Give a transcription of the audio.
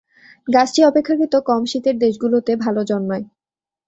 গাছটি অপেক্ষাকৃত কম শীতের দেশগুলোতে ভালো জন্মায়।